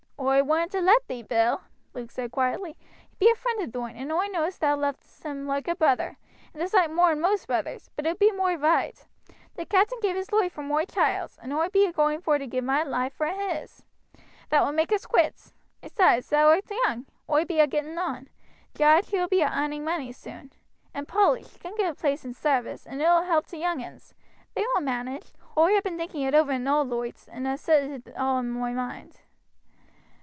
"Oi wouldn't ha' let thee, Bill," Luke said quietly. "He be a friend of thine, and oi know thou lovest him loike a brother, and a soight mor'n most brothers; but it be moi roight. The captain gave his loife vor moi child's, and oi bee a going vor to give mine for his. That will make us quits. Besides, thou art young; oi be a getting on. Jarge, he will be a arning money soon; and Polly, she can get a place in sarvice, and 'ul help t' young uns. They will manage. Oi ha' been thinking it over in all loites, and ha' settled it all in moi moind."